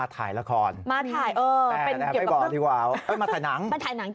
แต่น้องไม่บอกดีกว่าอุ้ยมาถ่ายหนัง